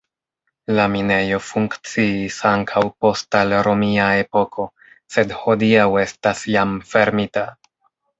La minejo funkciis ankaŭ post al romia epoko, sed hodiaŭ estas jam fermita.